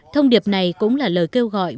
thông điệp này cũng là lời kêu gọi